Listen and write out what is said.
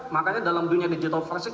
makanya dalam dunia digital forensik